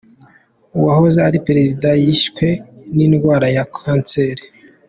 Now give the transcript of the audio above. Uwahoze ari perezida yishwe n’indwara ya kanseri